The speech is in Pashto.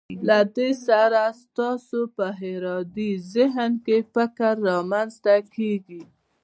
له دې سره ستاسو په ارادي ذهن کې فکر رامنځته کیږي.